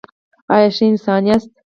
ایا ښه انسان یاست؟